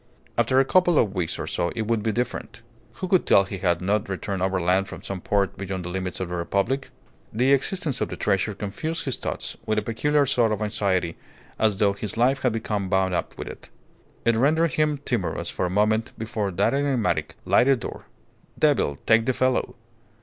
After a couple of weeks or so it would be different. Who could tell he had not returned overland from some port beyond the limits of the Republic? The existence of the treasure confused his thoughts with a peculiar sort of anxiety, as though his life had become bound up with it. It rendered him timorous for a moment before that enigmatic, lighted door. Devil take the fellow!